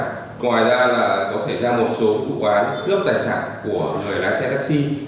ngoài ra là có xảy ra một số vụ án cướp tài sản của người lái xe taxi